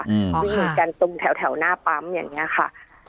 วิ่งหนีกันตรงแถวหน้าปั๊มอย่างนี้ค่ะ